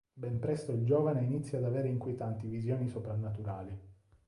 Ben presto il giovane inizia ad avere inquietanti visioni soprannaturali.